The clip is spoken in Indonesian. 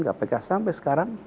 kpk sampai sekarang